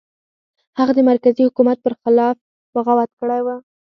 هغه د مرکزي حکومت پر خلاف بغاوت کړی و.